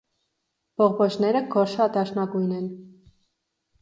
Բողբոջները գորշադարչնագույն են։